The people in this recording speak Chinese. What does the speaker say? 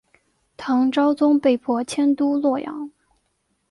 唐昭宗被迫迁都洛阳。